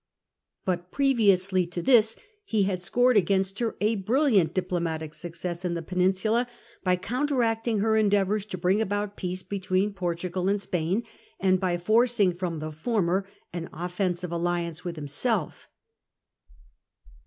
But previously to this he had scored against her a brilliant diplomatic success in the Peninsula, by counteracting her endeavours to bring about peace between Portugal and Spain, and by forcing from the former an offensive alliance with himself.